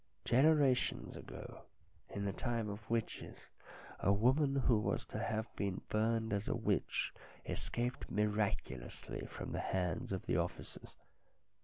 Generations ago, in the time of the witches, a woman who was to have been burned as a witch escaped miraculously from the hands of the officers.